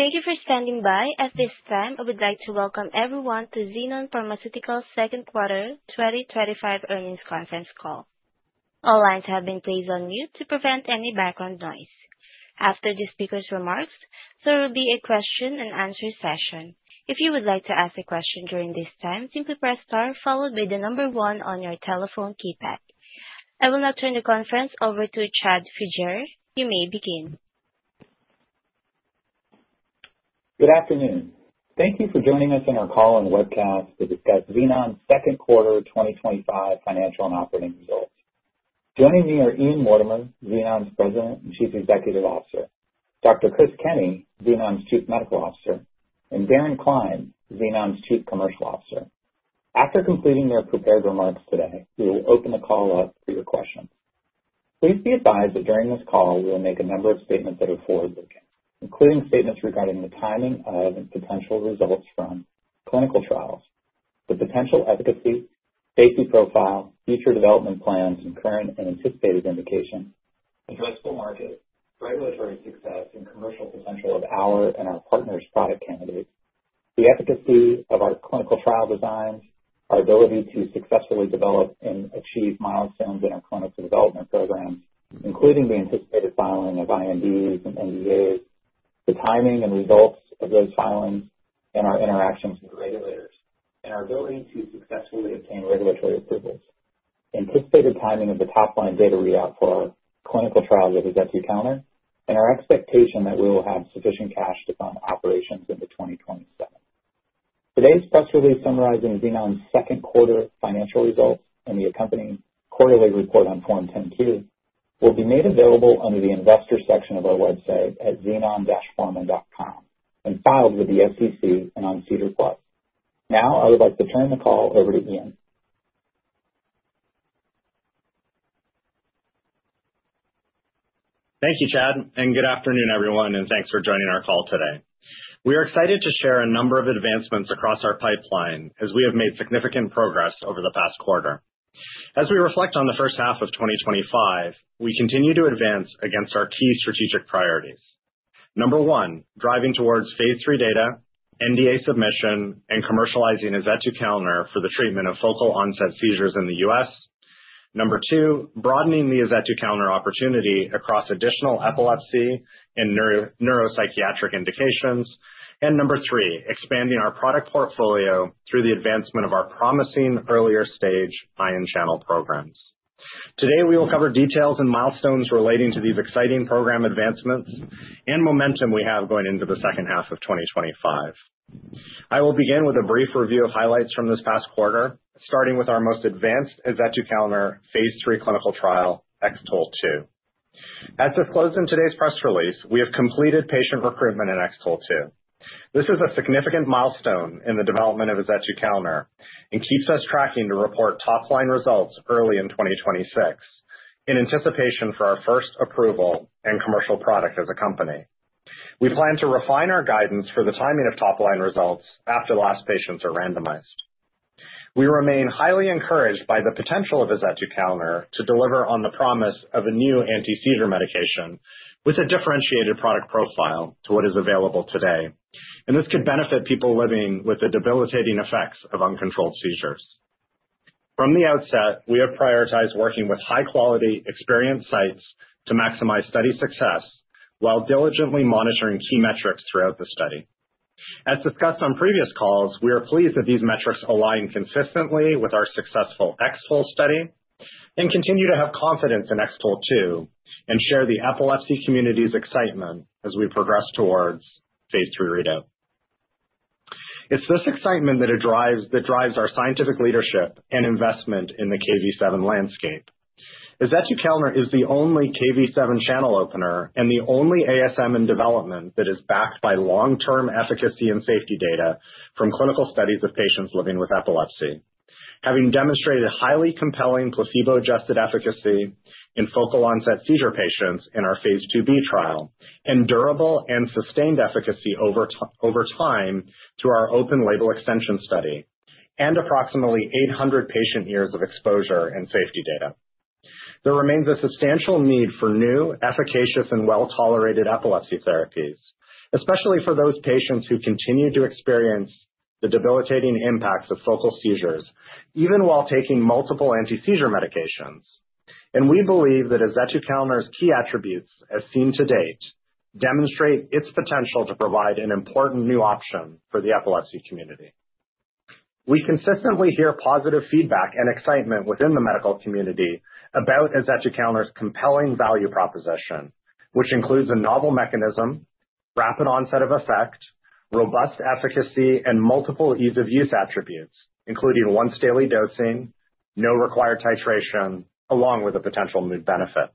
Thank you for standing by. At this time, I would like to welcome everyone to Xenon Pharmaceuticals' Second Quarter 2025 Earnings Conference Call. All lines have been placed on mute to prevent any background noise. After the speakers' remarks, there will be a question and answer session. If you would like to ask a question during this time, simply press star followed by the number one on your telephone keypad. I will now turn the conference over to Chad Fugere. You may begin. Good afternoon. Thank you for joining us on our call on webcast to discuss Xenon's Second Quarter 2025 Financial and Operating Results. Joining me are Ian Mortimer, Xenon's President and Chief Executive Officer, Dr. Chris Kenney, Xenon's Chief Medical Officer, and Darren Cline, Xenon's Chief Commercial Officer. After completing their prepared remarks today, we will open the call up for your questions. Please be advised that during this call, we will make a number of statements that are forward-looking, including statements regarding the timing of and potential results from clinical trials, the potential efficacy, safety profile, future development plans, and current and anticipated indications, the possible market, regulatory success, and commercial potential of our and our partners' product candidates, the efficacy of our clinical trial designs, our ability to successfully develop and achieve milestones in our clinical development program, including the anticipated filing of INDs and NDAs, the timing and results of those filings, and our interactions with regulators, and our ability to successfully obtain regulatory approval, the anticipated timing of the top-line data readout for our clinical trials at Executive County, and our expectation that we will have sufficient cash to fund operations into 2027. Today's press release summarizing Xenon's second quarter financial results and the accompanying quarterly report on Form 10Q will be made available under the Investor section of our website at xenon-pharma.com and filed with the SEC and on EDGAR+. Now, I would like to turn the call over to Ian. Thank you, Chad, and good afternoon, everyone, and thanks for joining our call today. We are excited to share a number of advancements across our pipeline as we have made significant progress over the past quarter. As we reflect on the first half of 2025, we continue to advance against our key strategic priorities. Number one, driving towards phase III data, NDA submission, and commercializing azetukalner for the treatment of focal onset seizures in the U.S. Number two, broadening the azetukalner opportunity across additional epilepsy and neuropsychiatric indications. Number three, expanding our product portfolio through the advancement of our promising earlier stage ion channel programs. Today, we will cover details and milestones relating to these exciting program advancements and momentum we have going into the second half of 2025. I will begin with a brief review of highlights from this past quarter, starting with our most advanced azetukalner phase III clinical trial, XTOL2. As disclosed in today's press release, we have completed patient recruitment in XTOL2. This is a significant milestone in the development of azetukalner and keeps us tracking to report top-line results early in 2026 in anticipation for our first approval and commercial product as a company. We plan to refine our guidance for the timing of top-line results after last patients are randomized. We remain highly encouraged by the potential of azetukalner to deliver on the promise of a new anti-seizure medication with a differentiated product profile to what is available today, and this could benefit people living with the debilitating effects of uncontrolled seizures. From the outset, we have prioritized working with high-quality, experienced sites to maximize study success while diligently monitoring key metrics throughout the study. As discussed on previous calls, we are pleased that these metrics align consistently with our successful XTOL Study and continue to have confidence in XTOL2 and share the epilepsy community's excitement as we progress towards phase III readout. It's this excitement that drives our scientific leadership and investment in the KV7 landscape. Azetukalner is the only KV7 channel opener and the only ASM in development that is backed by long-term efficacy and safety data from clinical studies of patients living with epilepsy, having demonstrated highly compelling placebo-adjusted efficacy in focal onset seizure patients in our phase II-B trial and durable and sustained efficacy over time through our open-label extension study and approximately 800 patient years of exposure and safety data. There remains a substantial need for new, efficacious, and well-tolerated epilepsy therapies, especially for those patients who continue to experience the debilitating impacts of focal seizures even while taking multiple anti-seizure medications. We believe that azetukalner's key attributes, as seen to date, demonstrate its potential to provide an important new option for the epilepsy community. We consistently hear positive feedback and excitement within the medical community about azetukalner's compelling value proposition, which includes a novel mechanism, rapid onset of effect, robust efficacy, and multiple ease-of-use attributes, including once-daily dosing, no required titration, along with a potential mood benefit.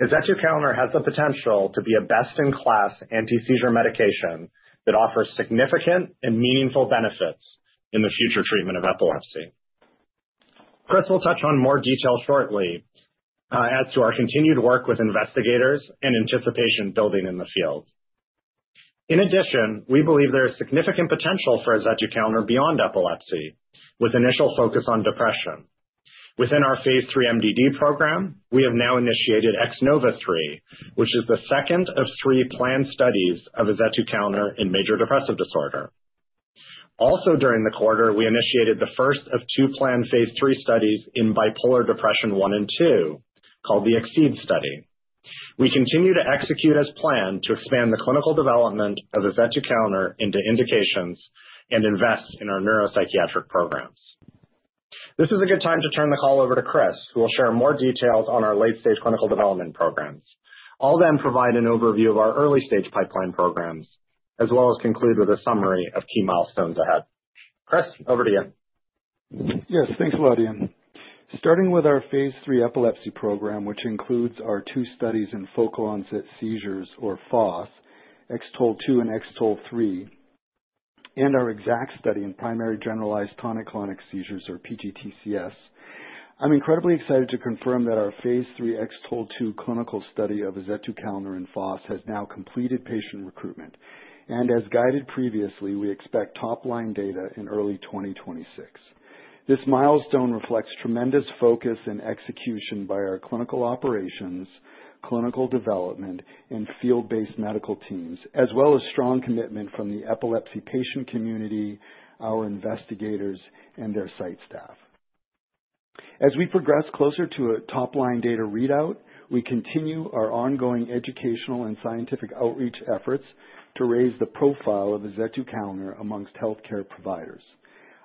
Azetukalner has the potential to be a best-in-class anti-seizure medication that offers significant and meaningful benefits in the future treatment of epilepsy. Chris will touch on more detail shortly as to our continued work with investigators and anticipation building in the field. In addition, we believe there is significant potential for azetukalner beyond epilepsy, with initial focus on depression. Within our phase III MDD program, we have now initiated X-NOVA3, which is the second of three planned studies of azetukalner in major depressive disorder. Also during the quarter, we initiated the first of two planned phase III studies in bipolar depression 1 and 2, called the EXCEED Study. We continue to execute as planned to expand the clinical development of azetukalner into indications and invest in our neuropsychiatric programs. This is a good time to turn the call over to Chris, who will share more details on our late-stage clinical development programs. I'll then provide an overview of our early-stage pipeline programs, as well as conclude with a summary of key milestones ahead. Chris, over to you. Yes, thanks a lot, Ian. Starting with our phase III epilepsy program, which includes our two studies in focal onset seizures, or FOS, XTOL2 and XTOL3, and our EXCEED study in primary generalized tonic-clonic seizures, or PGTCS, I'm incredibly excited to confirm that our phase III XTOL2 clinical study of azetukalner in FOS has now completed patient recruitment. As guided previously, we expect top-line data in early 2026. This milestone reflects tremendous focus and execution by our clinical operations, clinical development, and field-based medical teams, as well as strong commitment from the epilepsy patient community, our investigators, and their site staff. As we progress closer to a top-line data readout, we continue our ongoing educational and scientific outreach efforts to raise the profile of azetukalner amongst healthcare providers.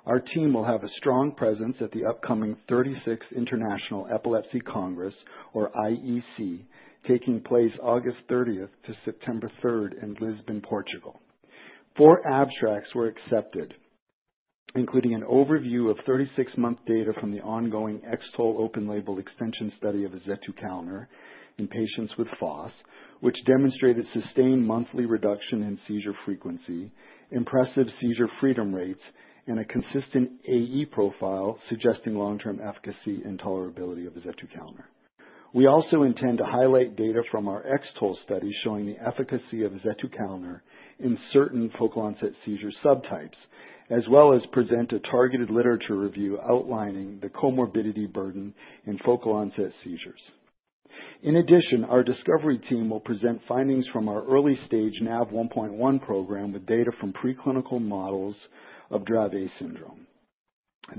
Our team will have a strong presence at the upcoming 36th International Epilepsy Congress, or IEC, taking place August 30th to September 3rd in Lisbon, Portugal. Four abstracts were accepted, including an overview of 36-month data from the ongoing XTOL open-label extension study of azetukalner in patients with FOS, which demonstrated sustained monthly reduction in seizure frequency, impressive seizure freedom rates, and a consistent AE profile suggesting long-term efficacy and tolerability of azetukalner. We also intend to highlight data from our XTOL study showing the efficacy of azetukalner in certain focal onset seizure subtypes, as well as present a targeted literature review outlining the comorbidity burden in focal onset seizures. In addition, our discovery team will present findings from our early-stage Nav1.1 program with data from preclinical models of Dravet syndrome.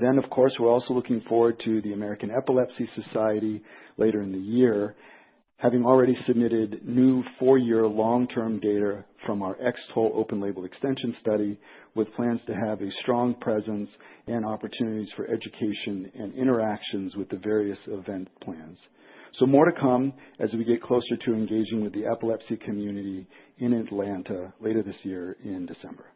We are also looking forward to the American Epilepsy Society later in the year, having already submitted new four-year long-term data from our XTOL open-label extension study, with plans to have a strong presence and opportunities for education and interactions with the various event plans. More to come as we get closer to engaging with the epilepsy community in Atlanta later this year in December.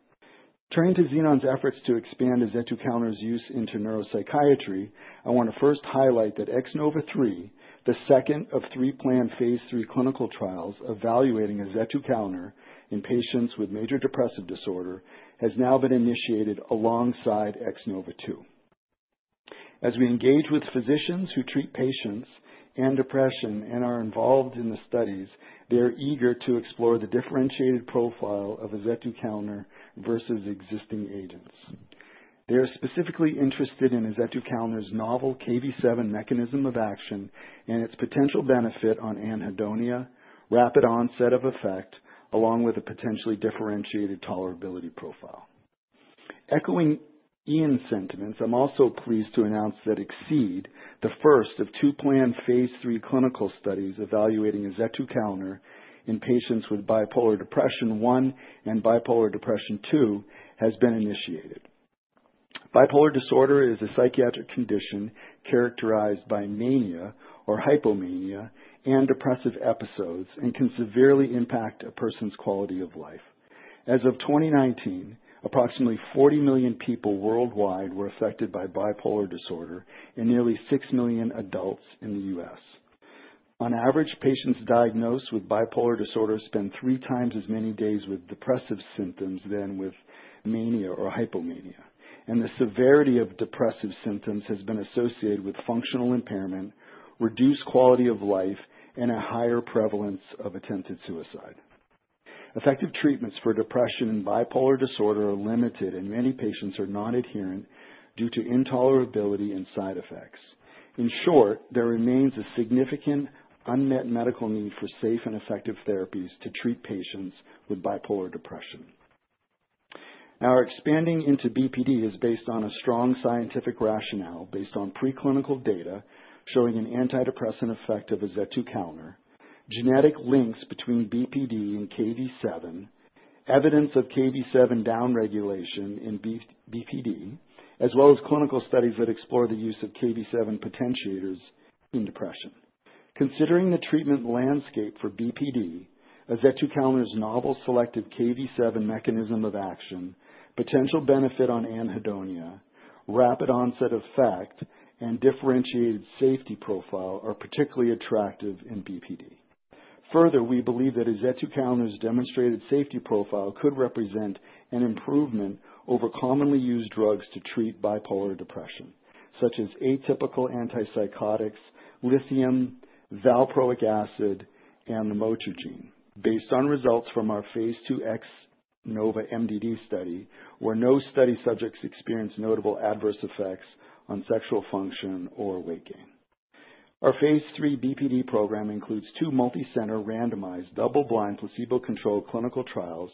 Turning to Xenon's efforts to expand azetukalner's use into neuropsychiatry, I want to first highlight that X-NOVA3, the second of three planned phase III clinical trials evaluating azetukalner in patients with major depressive disorder, has now been initiated alongside X-NOVA2. As we engage with physicians who treat patients and depression and are involved in the studies, they're eager to explore the differentiated profile of azetukalner versus existing agents. They're specifically interested in azetukalner's novel KV7 mechanism of action and its potential benefit on anhedonia, rapid onset of effect, along with a potentially differentiated tolerability profile. Echoing Ian's sentiments, I'm also pleased to announce that EXCEED, the first of two planned phase III clinical studies evaluating azetukalner in patients with bipolar depression 1 and bipolar depression 2, has been initiated. Bipolar disorder is a psychiatric condition characterized by mania, or hypomania, and depressive episodes and can severely impact a person's quality of life. As of 2019, approximately 40 million people worldwide were affected by bipolar disorder and nearly 6 million adults in the U.S. On average, patients diagnosed with bipolar disorder spend 3x as many days with depressive symptoms than with mania or hypomania, and the severity of depressive symptoms has been associated with functional impairment, reduced quality of life, and a higher prevalence of attempted suicide. Effective treatments for depression and bipolar disorder are limited, and many patients are nonadherent due to intolerability and side effects. In short, there remains a significant unmet medical need for safe and effective therapies to treat patients with bipolar depression. Now, our expanding into BPD is based on a strong scientific rationale based on preclinical data showing an antidepressant effect of azetukalner, genetic links between BPD and KV7, evidence of KV7 downregulation in BPD, as well as clinical studies that explore the use of KV7 potentiators in depression. Considering the treatment landscape for BPD, azetukalner's novel selective KV7 mechanism of action, potential benefit on anhedonia, rapid onset of effect, and differentiated safety profile are particularly attractive in BPD. Further, we believe that azetukalner's demonstrated safety profile could represent an improvement over commonly used drugs to treat bipolar depression, such as atypical antipsychotics, lithium, valproic acid, and lamotrigine. Based on results from our phase II X-NOVA3 MDD study, where no study subjects experienced notable adverse effects on sexual function or weight gain, our phase III BPD program includes two multicenter randomized double-blind placebo-controlled clinical trials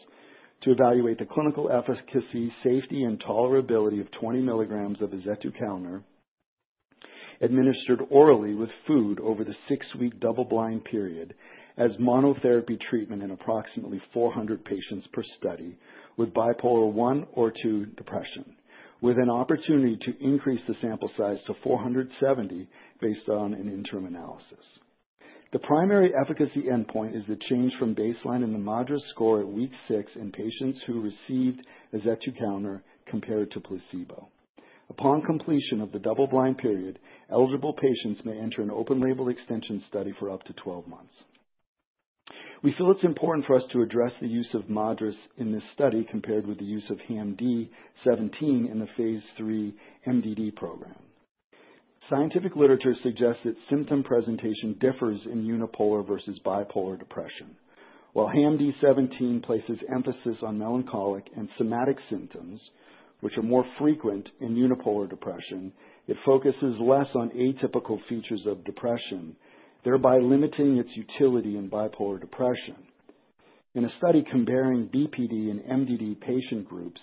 to evaluate the clinical efficacy, safety, and tolerability of 20 mg of azetukalner administered orally with food over the six-week double-blind period as monotherapy treatment in approximately 400 patients per study with bipolar 1 or 2 depression, with an opportunity to increase the sample size to 470 based on an interim analysis. The primary efficacy endpoint is the change from baseline in the MADRS score at week six in patients who received azetukalner compared to placebo. Upon completion of the double-blind period, eligible patients may enter an open-label extension study for up to 12 months. We feel it's important for us to address the use of MADRS in this study compared with the use of HAM-D 17 in the phase III MDD program. Scientific literature suggests that symptom presentation differs in unipolar versus bipolar depression. While HAM-D 17 places emphasis on melancholic and somatic symptoms, which are more frequent in unipolar depression, it focuses less on atypical features of depression, thereby limiting its utility in bipolar depression. In a study comparing BPD and MDD patient groups,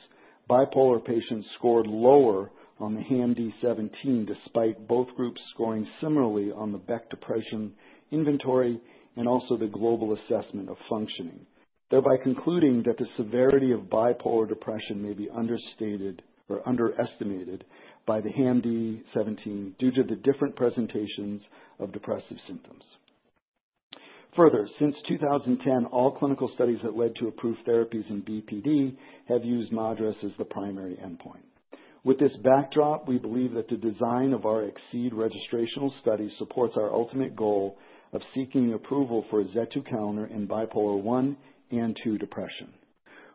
bipolar patients scored lower on the HAM-D 17 despite both groups scoring similarly on the Beck Depression Inventory and also the Global Assessment of Functioning, thereby concluding that the severity of bipolar depression may be understated or underestimated by the HAM-D 17 due to the different presentations of depressive symptoms. Further, since 2010, all clinical studies that led to approved therapies in BPD have used MADRS as the primary endpoint. With this backdrop, we believe that the design of our EXCEED registrational study supports our ultimate goal of seeking approval for azetukalner in bipolar 1 and 2 depression.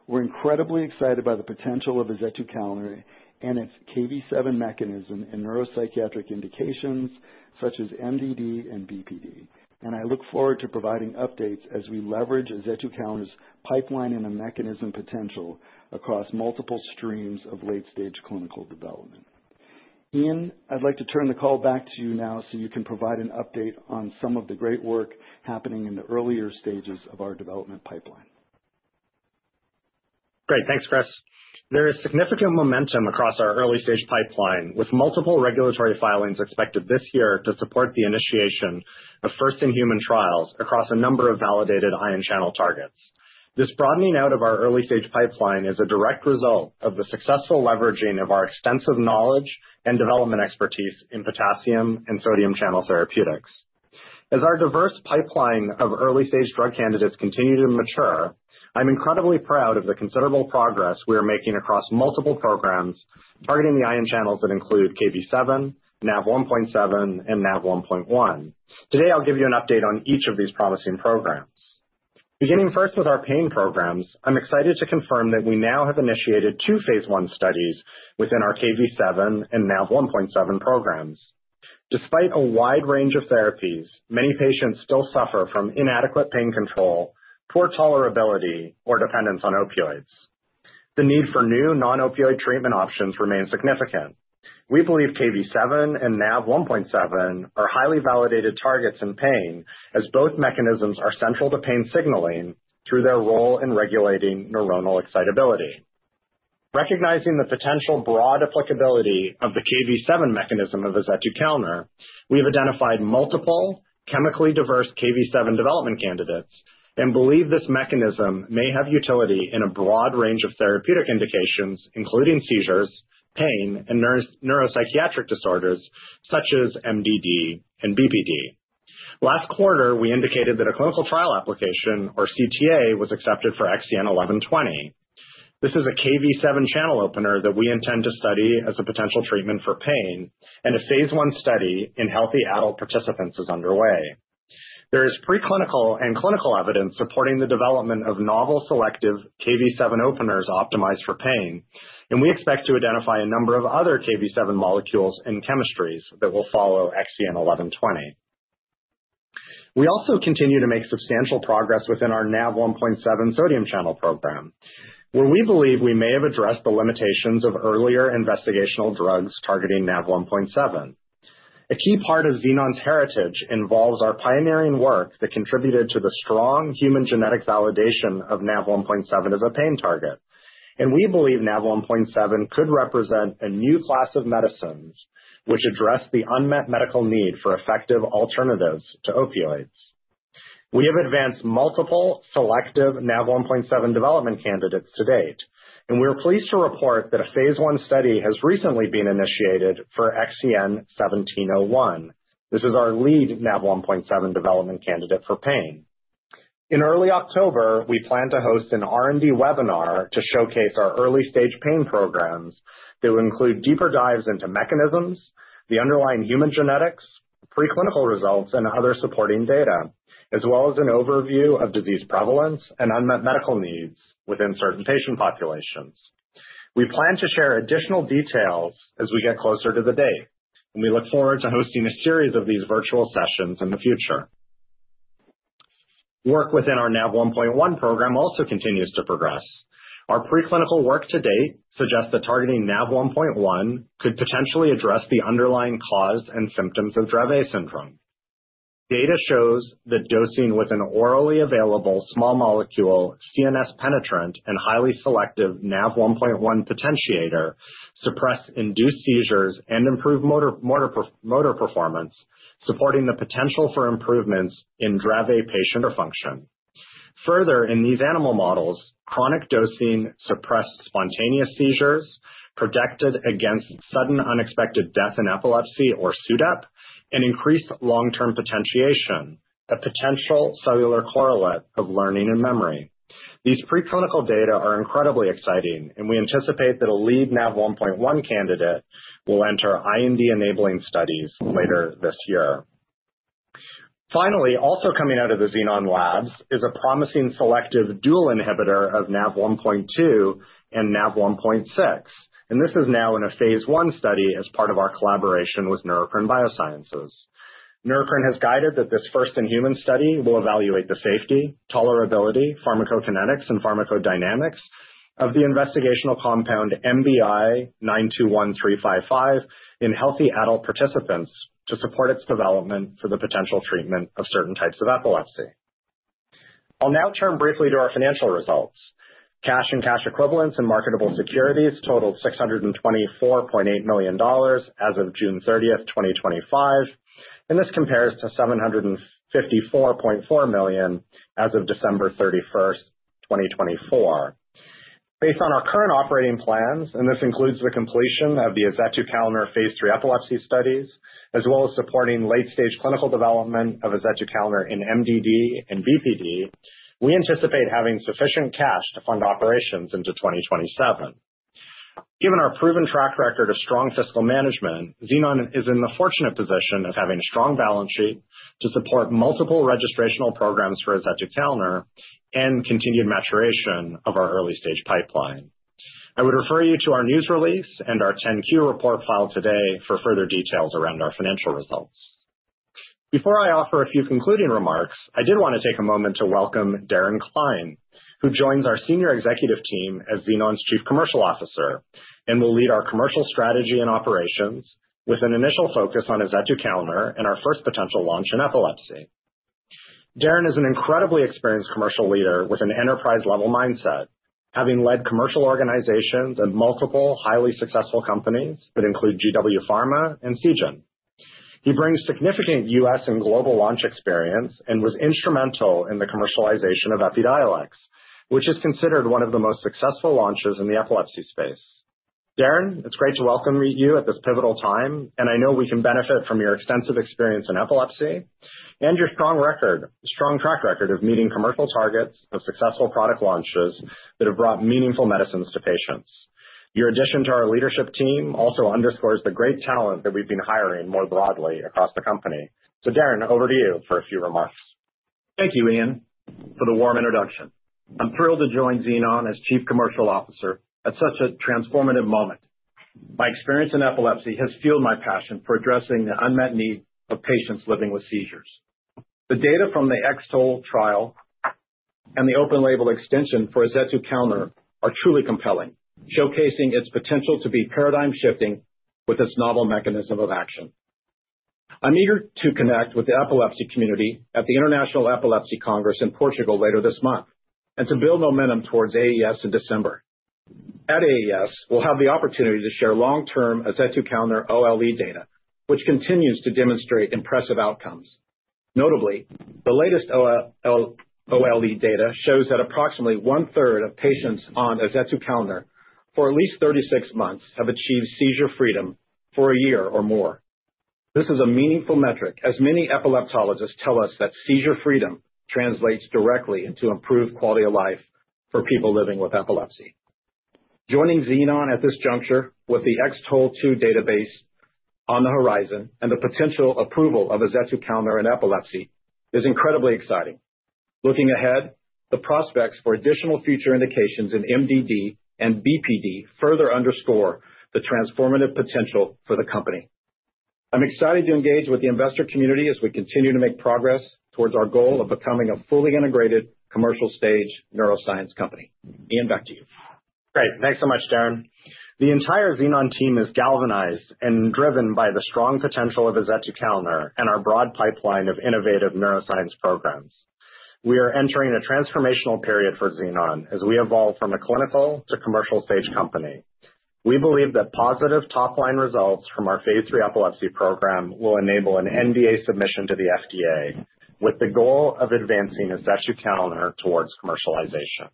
We're incredibly excited by the potential of azetukalner and its KV7 mechanism in neuropsychiatric indications such as MDD and BPD, and I look forward to providing updates as we leverage azetukalner's pipeline and mechanism potential across multiple streams of late-stage clinical development. Ian, I'd like to turn the call back to you now so you can provide an update on some of the great work happening in the earlier stages of our development pipeline. Great. Thanks, Chris. There is significant momentum across our early-stage pipeline, with multiple regulatory filings expected this year to support the initiation of first-in-human trials across a number of validated ion channel targets. This broadening out of our early-stage pipeline is a direct result of the successful leveraging of our extensive knowledge and development expertise in potassium and sodium channel therapeutics. As our diverse pipeline of early-stage drug candidates continue to mature, I'm incredibly proud of the considerable progress we are making across multiple programs targeting the ion channels that include KV7, Nav1.7, and Nav1.1. Today, I'll give you an update on each of these promising programs. Beginning first with our pain programs, I'm excited to confirm that we now have initiated two phase I studies within our KV7 and Nav1.7 programs. Despite a wide range of therapies, many patients still suffer from inadequate pain control, poor tolerability, or dependence on opioids. The need for new non-opioid treatment options remains significant. We believe KV7 and Nav1.7 are highly validated targets in pain, as both mechanisms are central to pain signaling through their role in regulating neuronal excitability. Recognizing the potential broad applicability of the KV7 mechanism of azetukalner, we've identified multiple chemically diverse KV7 development candidates and believe this mechanism may have utility in a broad range of therapeutic indications, including seizures, pain, and neuropsychiatric disorders such as MDD and BPD. Last quarter, we indicated that a clinical trial application, or CTA, was accepted for XEN 1120. This is a KV7 channel opener that we intend to study as a potential treatment for pain, and a phase I study in healthy adult participants is underway. There is preclinical and clinical evidence supporting the development of novel selective KV7 openers optimized for pain, and we expect to identify a number of other KV7 molecules and chemistries that will follow XEN 1120. We also continue to make substantial progress within our Nav1.7 sodium channel program, where we believe we may have addressed the limitations of earlier investigational drugs targeting Nav1.7. A key part of Xenon's heritage involves our pioneering work that contributed to the strong human genetic validation of Nav1.7 as a pain target, and we believe Nav1.7 could represent a new class of medicines which address the unmet medical need for effective alternatives to opioids. We have advanced multiple selective Nav1.7 development candidates to date, and we are pleased to report that a phase I study has recently been initiated for XEN 1701. This is our lead Nav1.7 development candidate for pain. In early October, we plan to host an R&D webinar to showcase our early-stage pain programs that will include deeper dives into mechanisms, the underlying human genetics, preclinical results, and other supporting data, as well as an overview of disease prevalence and unmet medical needs within certain patient populations. We plan to share additional details as we get closer to the date, and we look forward to hosting a series of these virtual sessions in the future. Work within our Nav1.1 program also continues to progress. Our preclinical work to date suggests that targeting Nav1.1 could potentially address the underlying cause and symptoms of Dravet syndrome. Data shows that dosing with an orally available small molecule CNS penetrant and highly selective Nav1.1 potentiator suppresses induced seizures and improves motor performance, supporting the potential for improvements in Dravet patient function. Further, in these animal models, chronic dosing suppresses spontaneous seizures, protects against sudden unexpected death in epilepsy or SUDEP, and increases long-term potentiation, a potential cellular correlate of learning and memory. These preclinical data are incredibly exciting, and we anticipate that a lead Nav1.1 candidate will enter IND-enabling studies later this year. Finally, also coming out of the Xenon labs is a promising selective dual inhibitor of Nav1.2 and Nav1.6, and this is now in a phase I study as part of our collaboration with Neurocrine Biosciences. Neurocrine has guided that this first-in-human study will evaluate the safety, tolerability, pharmacokinetics, and pharmacodynamics of the investigational compound MBI-921355 in healthy adult participants to support its development for the potential treatment of certain types of epilepsy. I'll now turn briefly to our financial results. Cash and cash equivalents in marketable securities totaled $624.8 million as of June 30th, 2025, and this compares to $754.4 million as of December 31st, 2024. Based on our current operating plans, and this includes the completion of the azetukalner phase III epilepsy studies, as well as supporting late-stage clinical development of azetukalner in MDD and BPD, we anticipate having sufficient cash to fund operations into 2027. Given our proven track record of strong fiscal management, Xenon is in the fortunate position of having a strong balance sheet to support multiple registrational programs for azetukalner and continued maturation of our early-stage pipeline. I would refer you to our news release and our 10Q report filed today for further details around our financial results. Before I offer a few concluding remarks, I did want to take a moment to welcome Darren Cline, who joins our senior executive team as Xenon's Chief Commercial Officer and will lead our commercial strategy and operations with an initial focus on azetukalner and our first potential launch in epilepsy. Darren is an incredibly experienced commercial leader with an enterprise-level mindset, having led commercial organizations and multiple highly successful companies that include GW Pharma and CGEN. He brings significant U.S. and global launch experience and was instrumental in the commercialization of Epidiolex, which is considered one of the most successful launches in the epilepsy space. Darren, it's great to welcome you at this pivotal time, and I know we can benefit from your extensive experience in epilepsy and your strong record, strong track record of meeting commercial targets of successful product launches that have brought meaningful medicines to patients. Your addition to our leadership team also underscores the great talent that we've been hiring more broadly across the company. Darren, over to you for a few remarks. Thank you, Ian, for the warm introduction. I'm thrilled to join Xenon as Chief Commercial Officer at such a transformative moment. My experience in epilepsy has fueled my passion for addressing the unmet need of patients living with seizures. The data from the XTOL2 trial and the open-label extension for azetukalner are truly compelling, showcasing its potential to be paradigm-shifting with this novel mechanism of action. I'm eager to connect with the epilepsy community at the International Epilepsy Congress in Portugal later this month and to build momentum towards AES in December. At AES, we'll have the opportunity to share long-term azetukalner OLE data, which continues to demonstrate impressive outcomes. Notably, the latest OLE data shows that approximately one-third of patients on azetukalner for at least 36 months have achieved seizure freedom for a year or more. This is a meaningful metric, as many epileptologists tell us that seizure freedom translates directly into improved quality of life for people living with epilepsy. Joining Xenon at this juncture with the XTOL2 database on the horizon and the potential approval of azetukalner in epilepsy is incredibly exciting. Looking ahead, the prospects for additional future indications in MDD and BPD further underscore the transformative potential for the company. I'm excited to engage with the investor community as we continue to make progress towards our goal of becoming a fully integrated commercial stage neuroscience company. Ian, back to you. Great. Thanks so much, Darren. The entire Xenon team is galvanized and driven by the strong potential of azetukalner and our broad pipeline of innovative neuroscience programs. We are entering a transformational period for Xenon as we evolve from a clinical to commercial stage company. We believe that positive top-line results from our phase III epilepsy program will enable an NDA submission to the FDA with the goal of advancing azetukalner towards commercialization.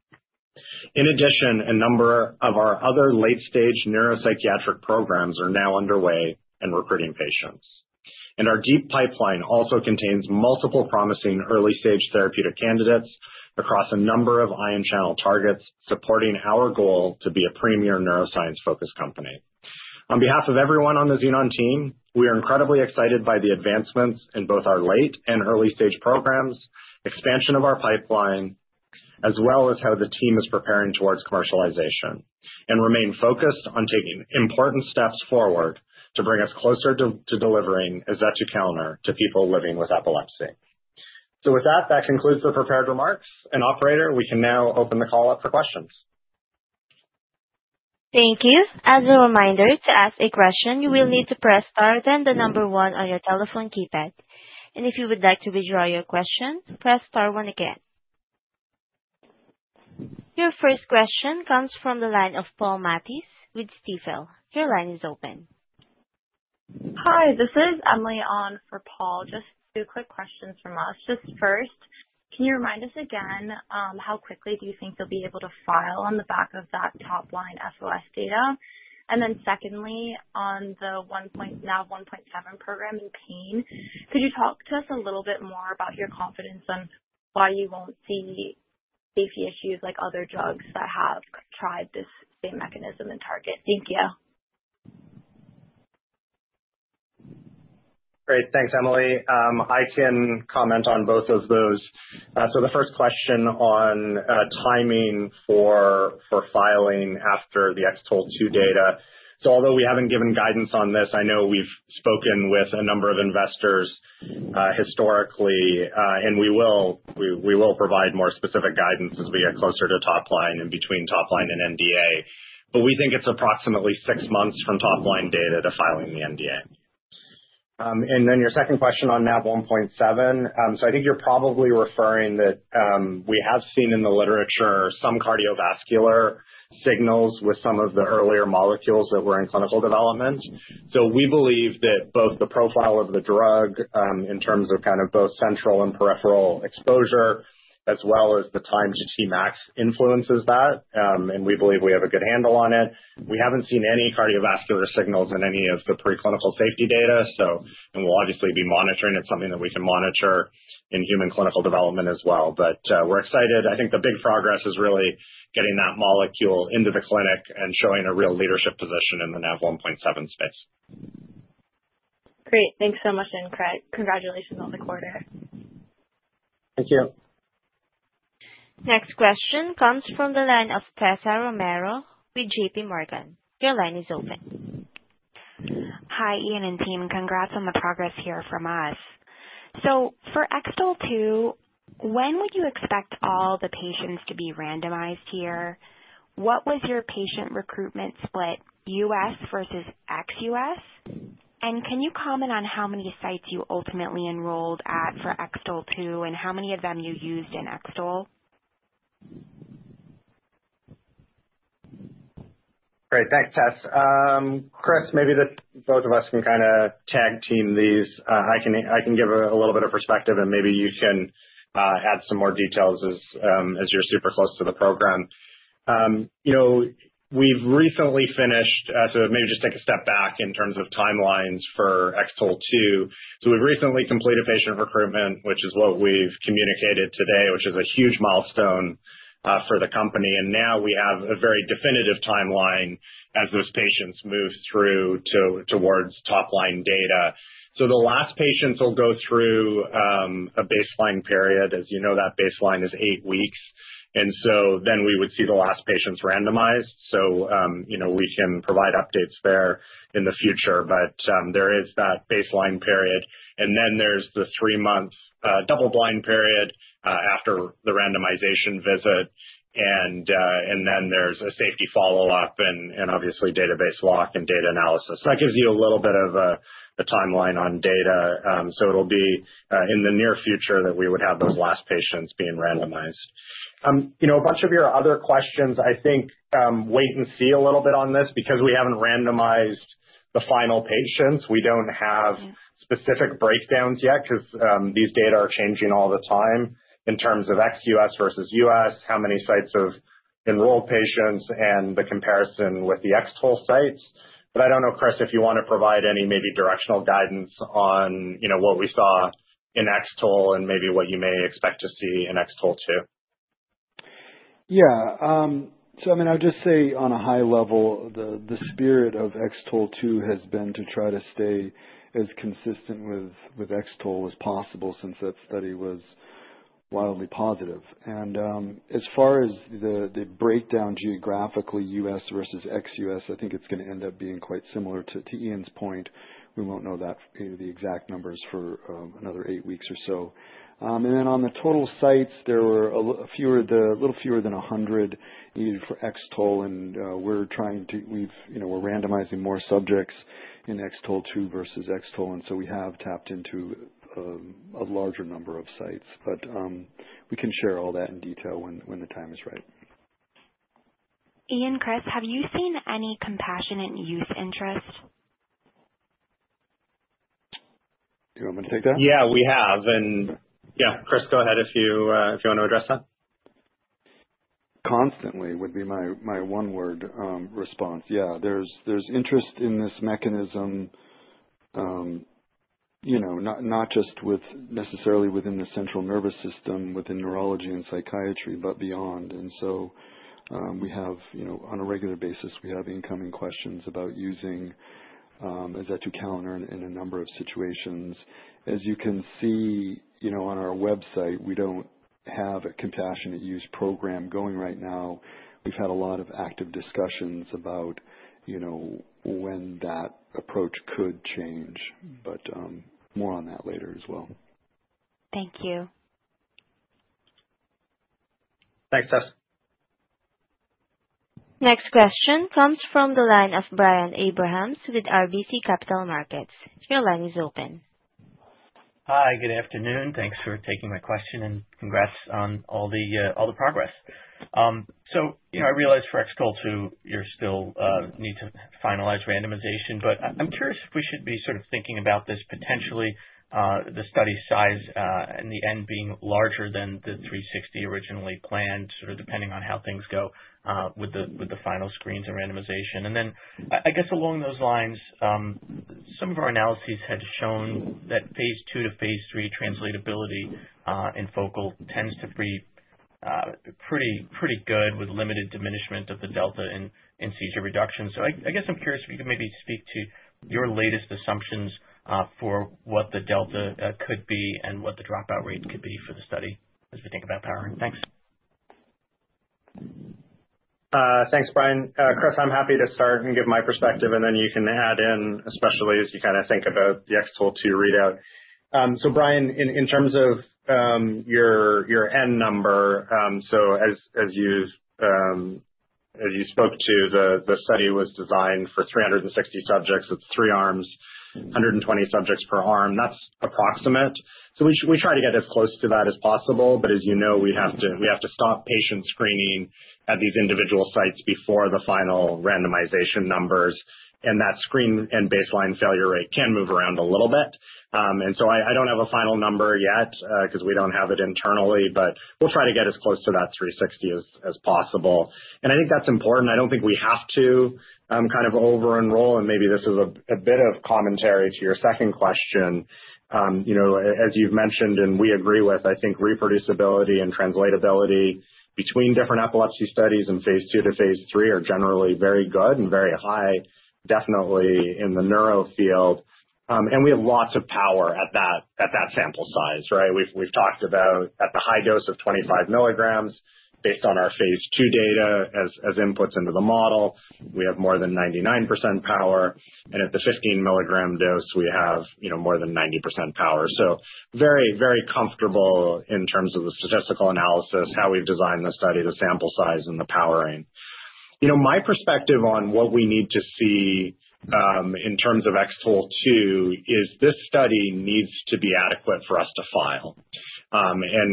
In addition, a number of our other late-stage neuropsychiatric programs are now underway and recruiting patients, and our deep pipeline also contains multiple promising early-stage therapeutic candidates across a number of ion channel targets, supporting our goal to be a premier neuroscience-focused company. On behalf of everyone on the Xenon team, we are incredibly excited by the advancements in both our late and early-stage programs, expansion of our pipeline, as well as how the team is preparing towards commercialization and remain focused on taking important steps forward to bring us closer to delivering azetukalner to people living with epilepsy. That concludes the prepared remarks. Operator, we can now open the call up for questions. Thank you. As a reminder, to ask a question, you will need to press star then the number one on your telephone keypad. If you would like to withdraw your question, press star one again. Your first question comes from the line of Paul Mattis with Stifel. Your line is open. Hi, this is Emily on for Paul. Just two quick questions from us. First, can you remind us again how quickly you think you'll be able to file on the back of that top-line SOS data? Secondly, on the Nav1.7 program in pain, could you talk to us a little bit more about your confidence on why you won't see safety issues like other drugs that have tried this same mechanism and target? Thank you. Great. Thanks, Emily. I can comment on both of those. The first question on timing for filing after the XTOL2 data. Although we haven't given guidance on this, I know we've spoken with a number of investors historically, and we will provide more specific guidance as we get closer to top-line and between top-line and NDA. We think it's approximately six months from top-line data to filing the NDA. Your second question on Nav1.7. I think you're probably referring that we have seen in the literature some cardiovascular signals with some of the earlier molecules that were in clinical development. We believe that both the profile of the drug in terms of both central and peripheral exposure, as well as the time to Tmax, influences that, and we believe we have a good handle on it. We haven't seen any cardiovascular signals in any of the preclinical safety data, and we'll obviously be monitoring it. It's something that we can monitor in human clinical development as well. We're excited. I think the big progress is really getting that molecule into the clinic and showing a real leadership position in the Nav1.7 space. Great. Thanks so much, and congratulations on the quarter. Thank you. Next question comes from the line of Cesar Romero with JPMorgan. Your line is open. Hi, Ian and team. Congrats on the progress here from us. For XTOL2, when would you expect all the patients to be randomized here? What was your patient recruitment split, U.S. versus ex-U.S.? Can you comment on how many sites you ultimately enrolled at for XTOL2 and how many of them you used in XTOL? Great. Thanks, Chess. Chris, maybe both of us can kind of tag team these. I can give a little bit of perspective, and maybe you can add some more details as you're super close to the program. We've recently finished, so maybe just take a step back in terms of timelines for XTOL2. We've recently completed patient recruitment, which is what we've communicated today, which is a huge milestone for the company. Now we have a very definitive timeline as those patients move through towards top-line data. The last patients will go through a baseline period. As you know, that baseline is eight weeks. Then we would see the last patients randomized. We can provide updates there in the future. There is that baseline period, and then there's the three-month double-blind period after the randomization visit. Then there's a safety follow-up and obviously database lock and data analysis. That gives you a little bit of a timeline on data. It'll be in the near future that we would have those last patients being randomized. A bunch of your other questions, I think wait and see a little bit on this because we haven't randomized the final patients. We don't have specific breakdowns yet because these data are changing all the time in terms of ex-U.S. versus U.S., how many sites have enrolled patients, and the comparison with the XTOL sites. I don't know, Chris, if you want to provide any maybe directional guidance on what we saw in XTOL and maybe what you may expect to see in XTOL2. Yeah. I would just say on a high level, the spirit of XTOL2 has been to try to stay as consistent with XTOL as possible since that study was wildly positive. As far as the breakdown geographically, U.S. versus ex-U.S., I think it's going to end up being quite similar to Ian's point. We won't know the exact numbers for another eight weeks or so. On the total sites, there were a little fewer than 100 needed for XTOL, and we're randomizing more subjects in XTOL2 versus XTOL. We have tapped into a larger number of sites, but we can share all that in detail when the time is right. Ian, Chris, have you seen any compassionate use interest? Do you want me to take that? Yeah, we have. Chris, go ahead if you want to address that. Constantly would be my one-word response. Yeah, there's interest in this mechanism, you know, not just necessarily within the central nervous system, within neurology and psychiatry, but beyond. We have, you know, on a regular basis, incoming questions about using azetukalner in a number of situations. As you can see, you know, on our website, we don't have a compassionate use program going right now. We've had a lot of active discussions about when that approach could change, but more on that later as well. Thank you. Thanks, Cess. Next question comes from the line of Brian Abrahams with RBC Capital Markets. Your line is open. Hi, good afternoon. Thanks for taking my question and congrats on all the progress. For XTOL2, you still need to finalize randomization, but I'm curious if we should be sort of thinking about this potentially, the study size in the end being larger than the 360 originally planned, depending on how things go with the final screens and randomization. Along those lines, some of our analyses had shown that phase II to phase III translatability in focal tends to be pretty good with limited diminishment of the delta in seizure reduction. I'm curious if you could maybe speak to your latest assumptions for what the delta could be and what the dropout rate could be for the study as we think about powering. Thanks. Thanks, Brian. Chris, I'm happy to start and give my perspective, and then you can add in, especially as you kind of think about the XTOL2 readout. Brian, in terms of your N number, as you spoke to, the study was designed for 360 subjects. It's three arms, 120 subjects per arm. That's approximate. We try to get as close to that as possible, but as you know, we have to stop patient screening at these individual sites before the final randomization numbers, and that screen and baseline failure rate can move around a little bit. I don't have a final number yet because we don't have it internally, but we'll try to get as close to that 360 as possible. I think that's important. I don't think we have to over-enroll, and maybe this is a bit of commentary to your second question. As you've mentioned and we agree with, I think reproducibility and translatability between different epilepsy studies and phase II to phase III are generally very good and very high, definitely in the neuro field. We have lots of power at that sample size, right? We've talked about at the high dose of 25 mg, based on our phase II data as inputs into the model, we have more than 99% power. At the 15 mg dose, we have more than 90% power. Very, very comfortable in terms of the statistical analysis, how we've designed the study, the sample size, and the powering. My perspective on what we need to see in terms of XTOL2 is this study needs to be adequate for us to file.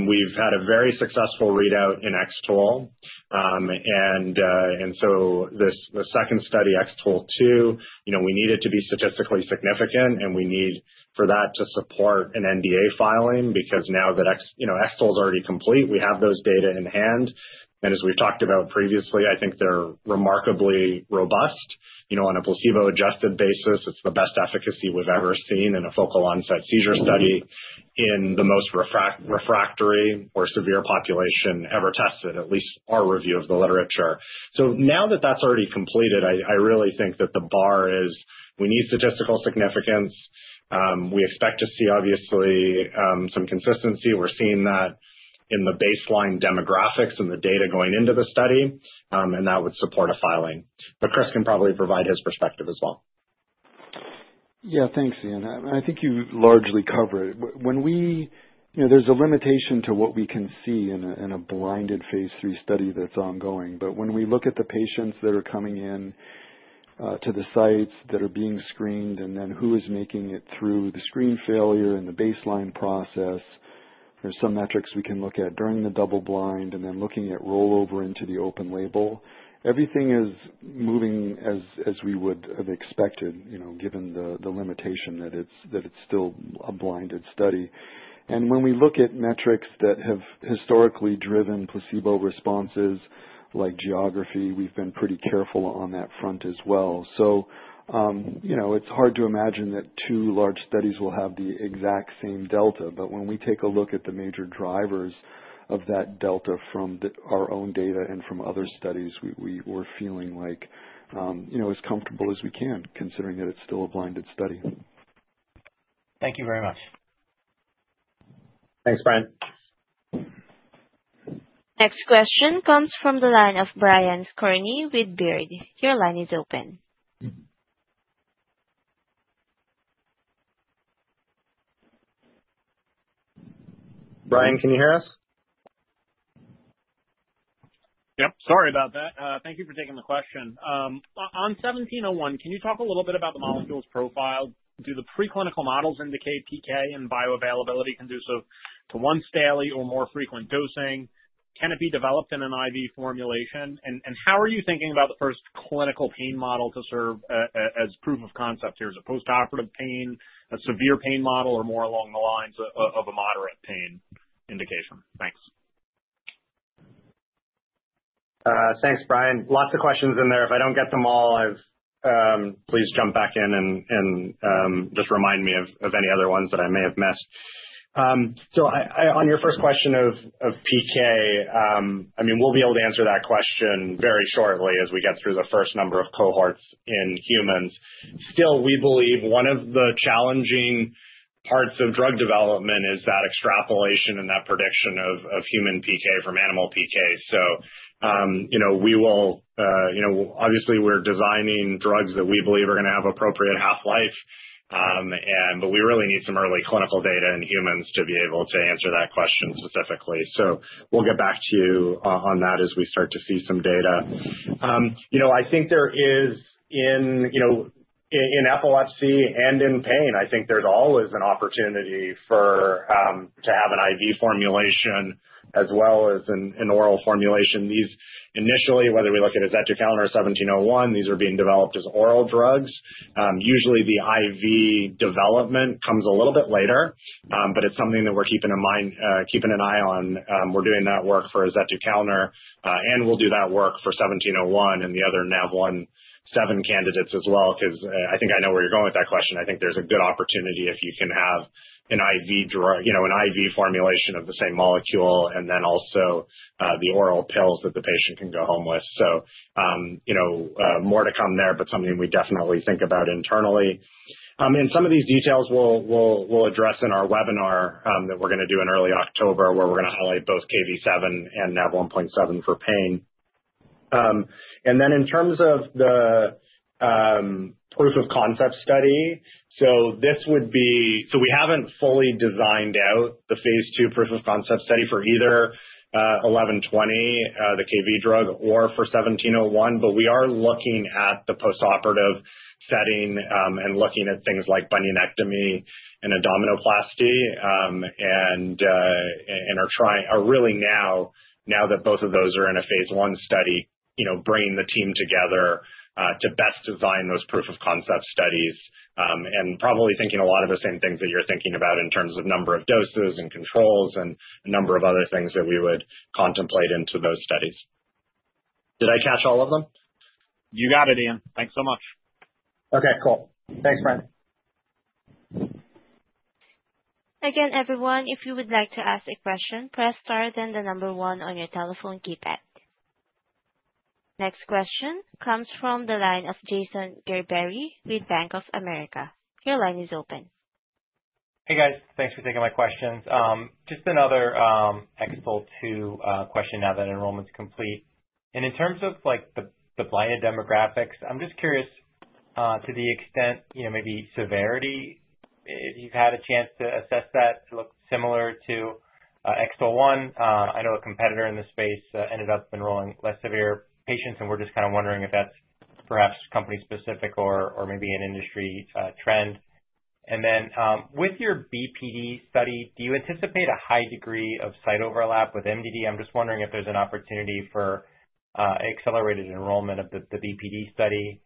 We've had a very successful readout in XTOL. The second study, XTOL2, we need it to be statistically significant, and we need for that to support an NDA filing because now that XTOL is already complete, we have those data in hand. As we've talked about previously, I think they're remarkably robust. On a placebo-adjusted basis, it's the best efficacy we've ever seen in a focal onset seizure study in the most refractory or severe population ever tested, at least our review of the literature. Now that that's already completed, I really think that the bar is we need statistical significance. We expect to see, obviously, some consistency. We're seeing that in the baseline demographics and the data going into the study, and that would support a filing. Chris can probably provide his perspective as well. Yeah, thanks, Ian. I think you largely covered it. When we, you know, there's a limitation to what we can see in a blinded phase III study that's ongoing. When we look at the patients that are coming into the sites that are being screened and then who is making it through the screen failure and the baseline process, there's some metrics we can look at during the double blind and then looking at rollover into the open-label. Everything is moving as we would have expected, given the limitation that it's still a blinded study. When we look at metrics that have historically driven placebo responses like geography, we've been pretty careful on that front as well. It's hard to imagine that two large studies will have the exact same delta. When we take a look at the major drivers of that delta from our own data and from other studies, we're feeling like, you know, as comfortable as we can, considering that it's still a blinded study. Thank you very much. Thanks, Brian. Next question comes from the line of Brian Skorney with Baird. Your line is open. Brian, can you hear us? Yep. Sorry about that. Thank you for taking the question. On 1701, can you talk a little bit about the molecule's profile? Do the preclinical models indicate PK and bioavailability conducive to once daily or more frequent dosing? Can it be developed in an IV formulation? How are you thinking about the first clinical pain model to serve as proof of concept here? Is it postoperative pain, a severe pain model, or more along the lines of a moderate pain indication? Thanks. Thanks, Brian. Lots of questions in there. If I don't get them all, please jump back in and just remind me of any other ones that I may have missed. On your first question of PK, we'll be able to answer that question very shortly as we get through the first number of cohorts in humans. We believe one of the challenging parts of drug development is that extrapolation and that prediction of human PK from animal PK. We're designing drugs that we believe are going to have appropriate half-life, but we really need some early clinical data in humans to be able to answer that question specifically. We'll get back to you on that as we start to see some data. I think there is, in epilepsy and in pain, always an opportunity to have an IV formulation as well as an oral formulation. These initially, whether we look at azetukalner or 1701, are being developed as oral drugs. Usually, the IV development comes a little bit later, but it's something that we're keeping an eye on. We're doing that work for azetukalner, and we'll do that work for 1701 and the other Nav1.7 candidates as well, because I think I know where you're going with that question. I think there's a good opportunity if you can have an IV formulation of the same molecule and then also the oral pills that the patient can go home with. More to come there, but something we definitely think about internally. Some of these details we'll address in our webinar that we're going to do in early October, where we're going to highlight both KV7 and Nav1.7 for pain. In terms of the proof of concept study, we haven't fully designed out the phase II proof of concept study for either 1120, the KV7 drug, or for 1701, but we are looking at the postoperative setting and looking at things like bunionectomy and abdominoplasty and are trying now, now that both of those are in a phase I study, bringing the team together to best design those proof of concept studies and probably thinking a lot of the same things that you're thinking about in terms of number of doses and controls and a number of other things that we would contemplate into those studies. Did I catch all of them? You got it, Ian. Thanks so much. Okay, cool. Thanks, Brian. Again, everyone, if you would like to ask a question, press star then the number one on your telephone keypad. Next question comes from the line of Jason Gerberry with Bank of America. Your line is open. Hey, guys. Thanks for taking my questions. Just another XTOL2 question now that enrollment's complete. In terms of the blinded demographics, I'm just curious to the extent, you know, maybe severity, if you've had a chance to assess that, look similar to XTOL1. I know a competitor in this space ended up enrolling less severe patients, and we're just kind of wondering if that's perhaps company-specific or maybe an industry trend. With your BPD study, do you anticipate a high degree of site overlap with MDD? I'm just wondering if there's an opportunity for accelerated enrollment of the BPD study.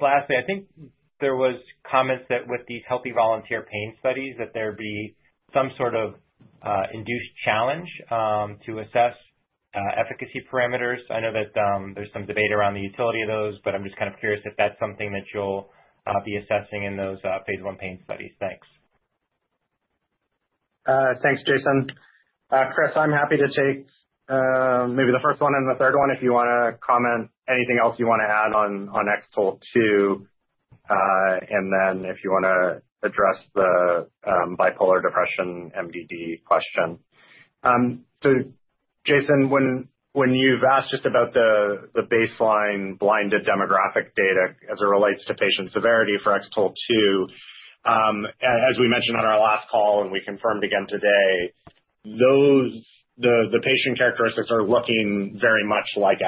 Lastly, I think there were comments that with these healthy volunteer pain studies that there'd be some sort of induced challenge to assess efficacy parameters. I know that there's some debate around the utility of those, but I'm just kind of curious if that's something that you'll be assessing in those phase I pain studies. Thanks. Thanks, Jason. Chris, I'm happy to take maybe the first one and the third one if you want to comment anything else you want to add on XTOL2, and then if you want to address the bipolar depression MDD question. Jason, when you've asked just about the baseline blinded demographic data as it relates to patient severity for XTOL2, as we mentioned on our last call and we confirmed again today, the patient characteristics are looking very much like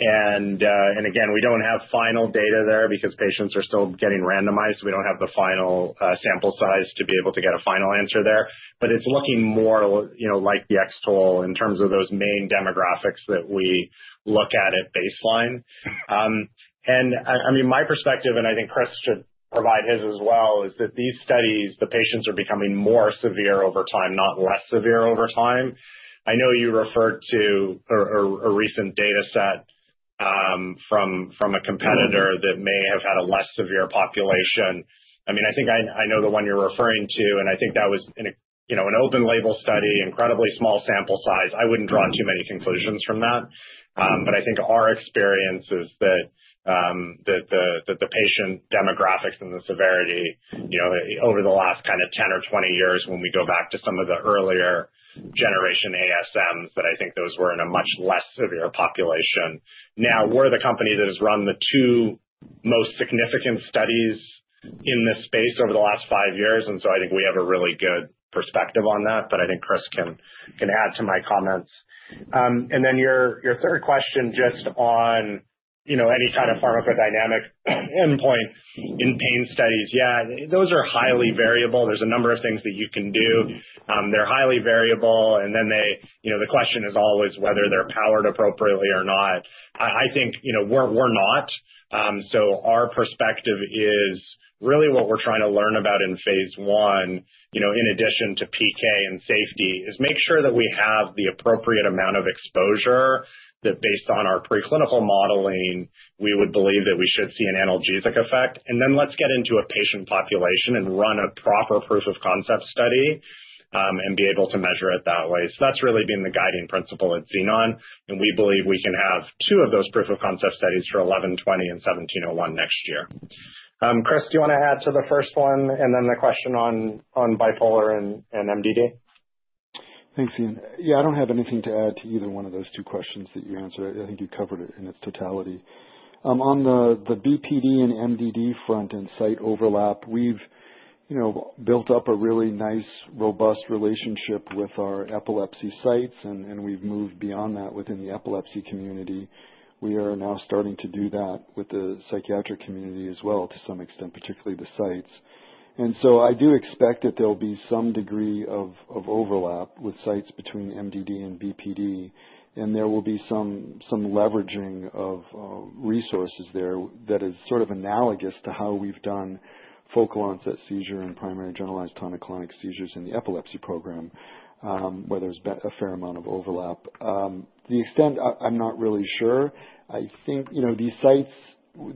XTOL. We don't have final data there because patients are still getting randomized, so we don't have the final sample size to be able to get a final answer there. It's looking more, you know, like the XTOL in terms of those main demographics that we look at at baseline. My perspective, and I think Chris should provide his as well, is that these studies, the patients are becoming more severe over time, not less severe over time. I know you referred to a recent data set from a competitor that may have had a less severe population. I think I know the one you're referring to, and I think that was an open-label study, incredibly small sample size. I wouldn't draw too many conclusions from that. I think our experience is that the patient demographics and the severity, you know, over the last kind of 10 or 20 years, when we go back to some of the earlier generation ASMs, that I think those were in a much less severe population. Now, we're the company that has run the two most significant studies in this space over the last five years, and I think we have a really good perspective on that. I think Chris can add to my comments. Your third question just on, you know, any kind of pharmacodynamic endpoint in pain studies. Those are highly variable. There's a number of things that you can do. They're highly variable, and the question is always whether they're powered appropriately or not. I think, you know, we're not. Our perspective is really what we're trying to learn about in phase I, you know, in addition to PK and safety, is make sure that we have the appropriate amount of exposure that based on our preclinical modeling, we would believe that we should see an analgesic effect. Let's get into a patient population and run a proper proof of concept study and be able to measure it that way. That's really been the guiding principle at Xenon, and we believe we can have two of those proof of concept studies for 1120 and 1701 next year. Chris, do you want to add to the first one and then the question on bipolar and MDD? Thanks, Ian. I don't have anything to add to either one of those two questions that you answered. I think you covered it in its totality. On the BPD and MDD front and site overlap, we've built up a really nice, robust relationship with our epilepsy sites, and we've moved beyond that within the epilepsy community. We are now starting to do that with the psychiatric community as well, to some extent, particularly the sites. I do expect that there'll be some degree of overlap with sites between MDD and BPD, and there will be some leveraging of resources there that is sort of analogous to how we've done focal onset seizure and primary generalized tonic-clonic seizures in the epilepsy program, where there's a fair amount of overlap. The extent, I'm not really sure. I think these sites,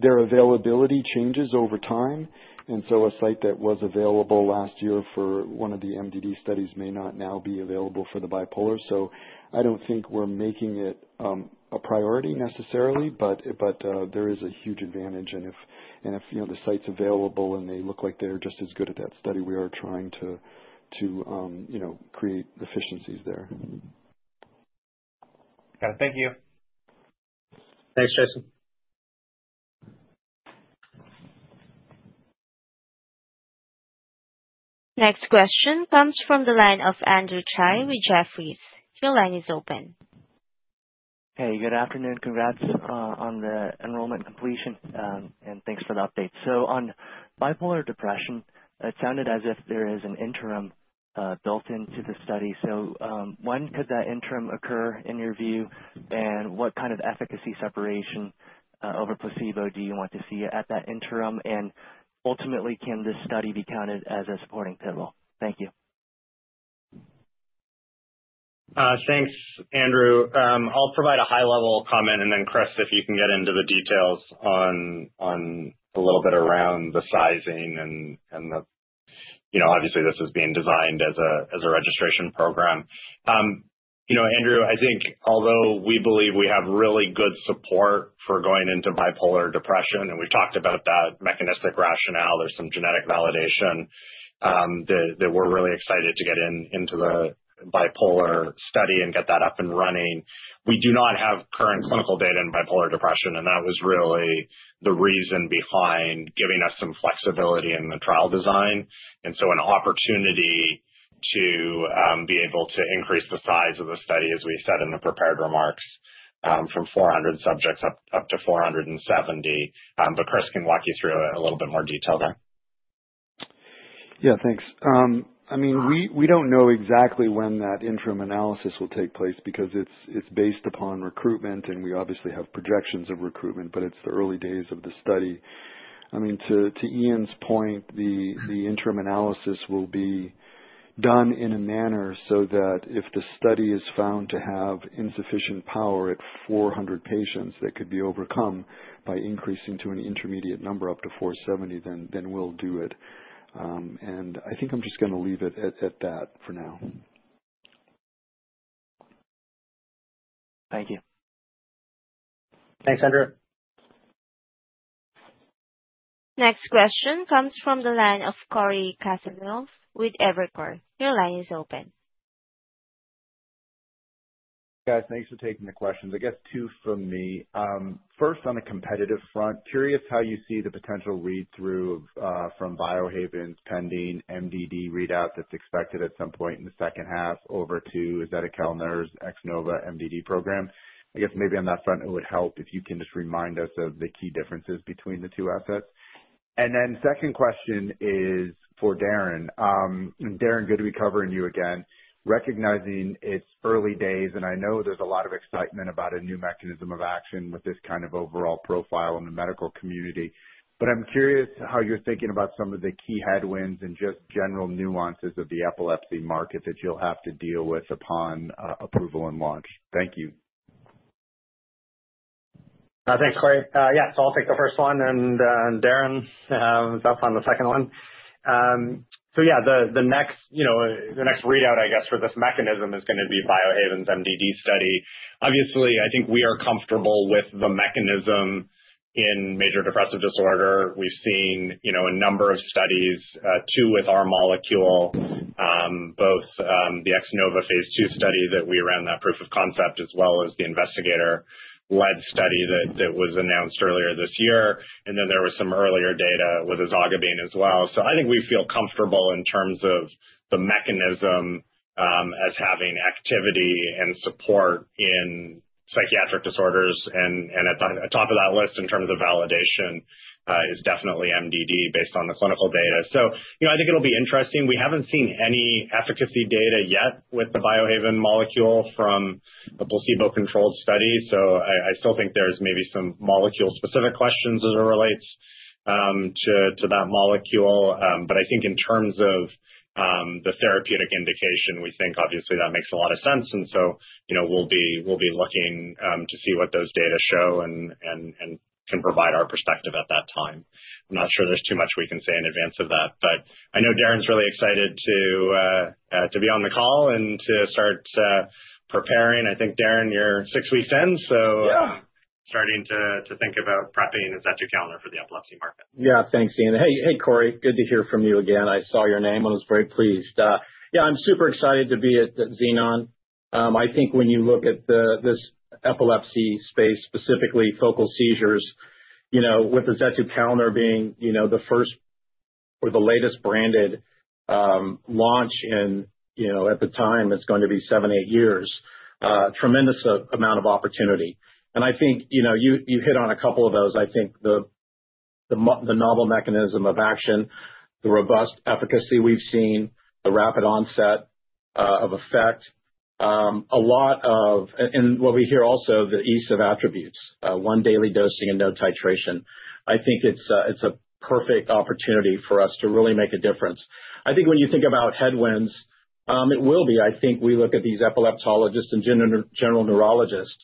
their availability changes over time, and a site that was available last year for one of the MDD studies may not now be available for the bipolar. I don't think we're making it a priority necessarily, but there is a huge advantage. If the site's available and they look like they're just as good at that study, we are trying to create efficiencies there. Got it. Thank you. Thanks, Jason. Next question comes from the line of Andrew Chai with Jefferies. Your line is open. Hey, good afternoon. Congrats on the enrollment completion, and thanks for the update. On bipolar depression, it sounded as if there is an interim built into the study. When could that interim occur in your view, and what kind of efficacy separation over placebo do you want to see at that interim? Ultimately, can this study be counted as a supporting pinwheel? Thank you. Thanks, Andrew. I'll provide a high-level comment, and then Chris, if you can get into the details on a little bit around the sizing and the, you know, obviously, this is being designed as a registration program. You know, Andrew, I think although we believe we have really good support for going into bipolar depression, and we've talked about that mechanistic rationale, there's some genetic validation that we're really excited to get into the bipolar study and get that up and running. We do not have current clinical data in bipolar depression, and that was really the reason behind giving us some flexibility in the trial design. An opportunity to be able to increase the size of the study, as we said in the prepared remarks, from 400 subjects up to 470. Chris can walk you through a little bit more detail there. Yeah, thanks. We don't know exactly when that interim analysis will take place because it's based upon recruitment, and we obviously have projections of recruitment, but it's the early days of the study. To Ian's point, the interim analysis will be done in a manner so that if the study is found to have insufficient power at 400 patients that could be overcome by increasing to an intermediate number up to 470, then we'll do it. I think I'm just going to leave it at that for now. Thank you. Thanks, Andrew. Next question comes from the line of Cory Kasimov with Evercore. Your line is open. Guys, thanks for taking the questions. I guess two from me. First, on a competitive front, curious how you see the potential read-through from BioHaven's pending MDD readout that's expected at some point in the second half over to azetukalner's XNOVA3 MDD program. I guess maybe on that front, it would help if you can just remind us of the key differences between the two assets. Second question is for Darren. Darren, good to be covering you again. Recognizing it's early days, and I know there's a lot of excitement about a new mechanism of action with this kind of overall profile in the medical community, but I'm curious how you're thinking about some of the key headwinds and just general nuances of the epilepsy market that you'll have to deal with upon approval and launch. Thank you. Thanks, Cory. Yeah, so I'll take the first one, and Darren, that's on the second one. The next readout, I guess, for this mechanism is going to be BioHaven's MDD Study. Obviously, I think we are comfortable with the mechanism in major depressive disorder. We've seen a number of studies, two with our molecule, both the X-NOVA3 phase II study that we ran that proof of concept, as well as the investigator-led study that was announced earlier this year. There was some earlier data with Azogabine as well. I think we feel comfortable in terms of the mechanism as having activity and support in psychiatric disorders. At the top of that list in terms of validation is definitely MDD based on the clinical data. I think it'll be interesting. We haven't seen any efficacy data yet with the BioHaven molecule from a placebo-controlled study. I still think there's maybe some molecule-specific questions as it relates to that molecule. I think in terms of the therapeutic indication, we think obviously that makes a lot of sense. We'll be looking to see what those data show and can provide our perspective at that time. I'm not sure there's too much we can say in advance of that, but I know Darren's really excited to be on the call and to start preparing. I think, Darren, you're six weeks in, so starting to think about prepping azetukalner for the epilepsy market. Yeah, thanks, Ian. Hey, Corey. Good to hear from you again. I saw your name and was very pleased. Yeah, I'm super excited to be at Xenon. I think when you look at this epilepsy space, specifically focal seizures, you know, with azetukalner being the first or the latest branded launch in, you know, at the time, it's going to be seven, eight years, a tremendous amount of opportunity. I think you hit on a couple of those. I think the novel mechanism of action, the robust efficacy we've seen, the rapid onset of effect, a lot of, and what we hear also, the ease of attributes, one daily dosing and no titration. I think it's a perfect opportunity for us to really make a difference. I think when you think about headwinds, it will be. I think we look at these epileptologists and general neurologists,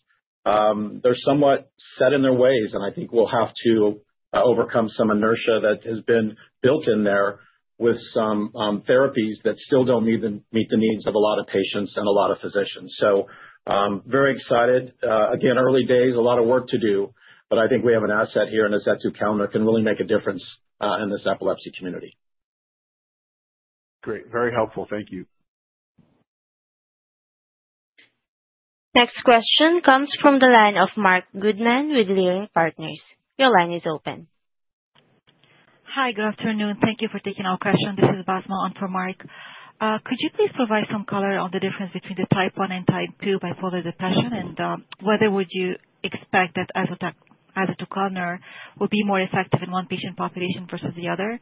they're somewhat set in their ways, and I think we'll have to overcome some inertia that has been built in there with some therapies that still don't meet the needs of a lot of patients and a lot of physicians. Very excited. Again, early days, a lot of work to do, but I think we have an asset here in azetukalner that can really make a difference in this epilepsy community. Great. Very helpful. Thank you. Next question comes from the line of Mark Goodman with Leerink Partners. Your line is open. Hi, good afternoon. Thank you for taking our question. This is Basma on for Mark. Could you please provide some color on the difference between the type one and type two bipolar dependent, and whether would you expect that azetukalner would be more effective in one patient population versus the other?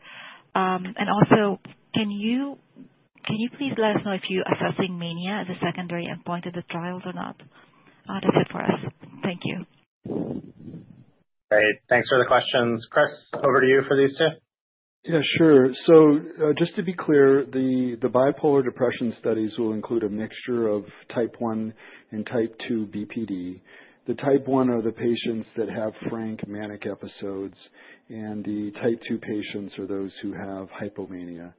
Also, can you please let us know if you're assessing mania as a secondary endpoint in the trials or not? That's it for us. Thank you. Great. Thanks for the questions. Chris, over to you for these two. Yeah, sure. Just to be clear, the bipolar depression studies will include a mixture of type 1 and type 2 BPD. The type 1 are the patients that have frank manic episodes, and the type 2 patients are those who have hypomania.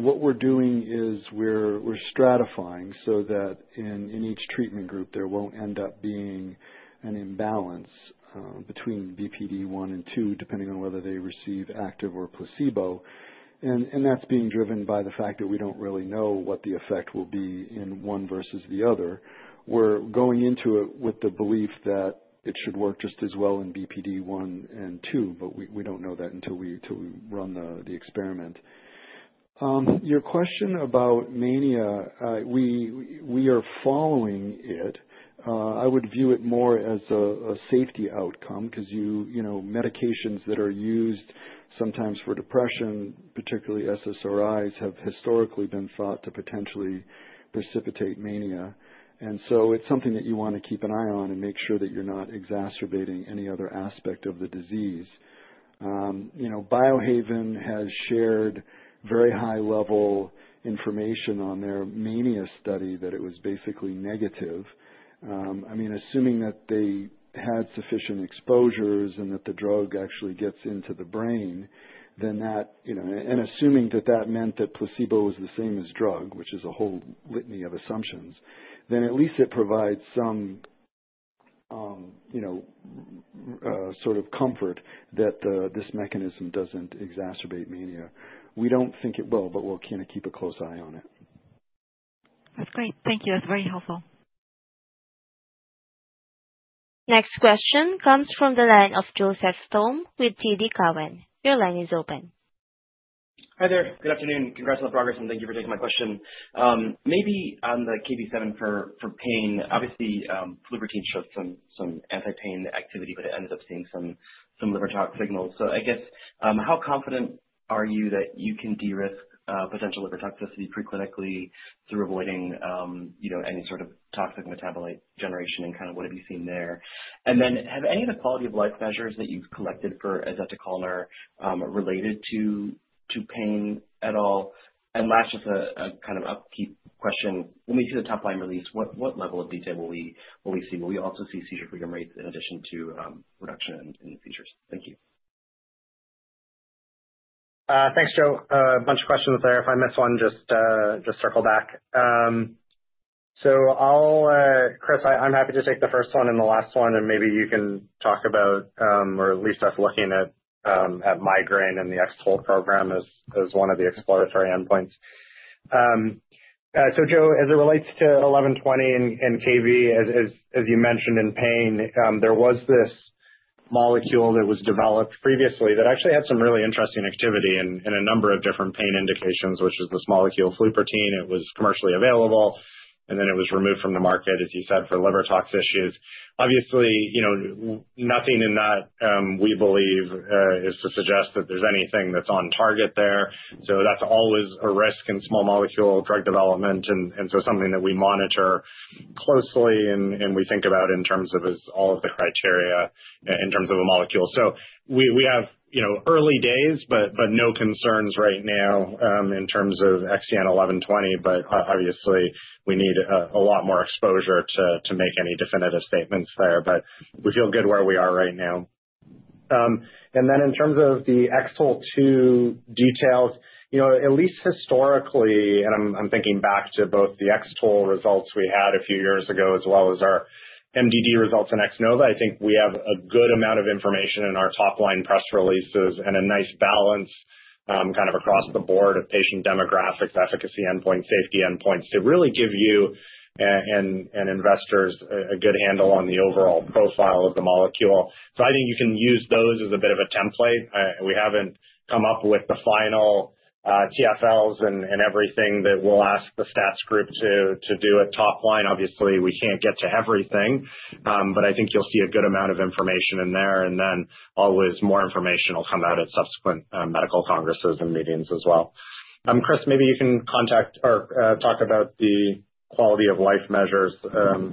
What we're doing is we're stratifying so that in each treatment group, there won't end up being an imbalance between BPD 1 and 1, depending on whether they receive active or placebo. That's being driven by the fact that we don't really know what the effect will be in one versus the other. We're going into it with the belief that it should work just as well in BPD 1 and 2, but we don't know that until we run the experiment. Your question about mania, we are following it. I would view it more as a safety outcome because medications that are used sometimes for depression, particularly SSRIs, have historically been thought to potentially precipitate mania. It's something that you want to keep an eye on and make sure that you're not exacerbating any other aspect of the disease. BioHaven has shared very high-level information on their mania study that it was basically negative. Assuming that they had sufficient exposures and that the drug actually gets into the brain, and assuming that that meant that placebo was the same as drug, which is a whole litany of assumptions, at least it provides some sort of comfort that this mechanism doesn't exacerbate mania. We don't think it will, but we'll keep a close eye on it. That's great. Thank you. That's very helpful. Next question comes from the line of Joseph Thome with TD Cowen. Your line is open. Hi there. Good afternoon. Congrats on the progress, and thank you for taking my question. Maybe on the KV7 for pain, obviously, liver gene shows some anti-pain activity, but it ends up seeing some liver tox signals. I guess, how confident are you that you can de-risk potential liver toxicity preclinically through avoiding, you know, any sort of toxic metabolite generation and kind of what have you seen there? Have any of the quality of life measures that you've collected for azetukalner related to pain at all? Last, just a kind of upkeep question. When we see the top-line release, what level of detail will we see? Will we also see seizure freedom rates in addition to reduction in seizures? Thank you. Thanks, Joe. A bunch of questions there. If I miss one, just circle back. Chris, I'm happy to take the first one and the last one, and maybe you can talk about, or at least start looking at migraine and the XTOL2 program as one of the exploratory endpoints. Joe, as it relates to 1120 and KV7, as you mentioned in pain, there was this molecule that was developed previously that actually had some really interesting activity in a number of different pain indications, which is this molecule, flupertine. It was commercially available, and then it was removed from the market, as you said, for liver toxicities. Obviously, nothing in that we believe is to suggest that there's anything that's on target there. That's always a risk in small molecule drug development, and something that we monitor closely and we think about in terms of all of the criteria in terms of a molecule. We have early days, but no concerns right now in terms of XEN 1120, but obviously, we need a lot more exposure to make any definitive statements there. We feel good where we are right now. In terms of the XTOL2 details, at least historically, and I'm thinking back to both the XTOL results we had a few years ago as well as our MDD results in X-NOVA3, I think we have a good amount of information in our top-line press releases and a nice balance kind of across the board of patient demographics, efficacy endpoint, safety endpoints to really give you and investors a good handle on the overall profile of the molecule. I think you can use those as a bit of a template. We haven't come up with the final TFLs and everything that we'll ask the stats group to do at top line. Obviously, we can't get to everything, but I think you'll see a good amount of information in there, and always more information will come out at subsequent medical congresses and meetings as well. Chris, maybe you can contact or talk about the quality of life measures